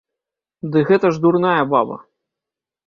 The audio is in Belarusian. Ды гэта ж дурная баба!